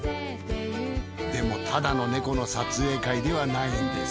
でもただの猫の撮影会ではないんです。